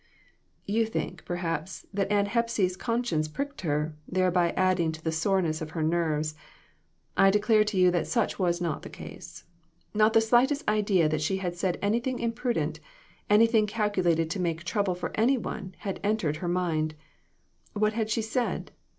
You think, perhaps, that Aunt Hepsy's con science pricked her, thereby adding to the sore ness of her nerves. I declare to you that such was not the case. Not the slightest idea that she had said anything imprudent, anything cal culated to make trouble for any one, had entered her mind. What had she said